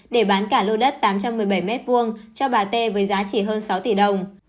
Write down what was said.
để bán cả lô đất tám trăm một mươi bảy m hai cho bà tê với giá trị hơn sáu tỷ đồng